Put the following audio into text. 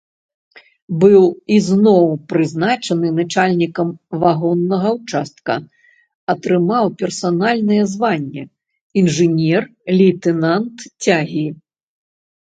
Быў ізноў прызначаны начальнікам вагоннага ўчастка, атрымаў персанальнае званне інжынер-лейтэнант цягі.